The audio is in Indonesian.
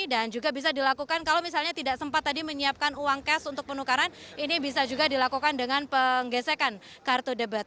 dan juga bisa dilakukan kalau misalnya tidak sempat tadi menyiapkan uang cash untuk penukaran ini bisa juga dilakukan dengan penggesekan kartu debat